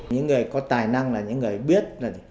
những người có tài năng là những người biết